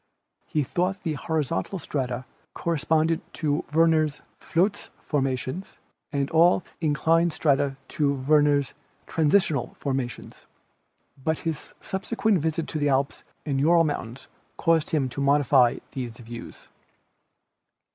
He thought the horizontal strata corresponded to Werner's "Flotz formations" and all in clined strata to Werner's "Transitional formations." But his subsequent visit to the Alps and jura mountains caused him to modify these views.